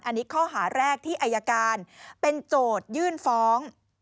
อันนี้ข้อหาแรกที่อายการเป็นโจทยื่นฟ้อง